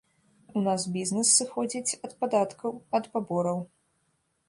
У нас бізнэс сыходзіць ад падаткаў, ад пабораў.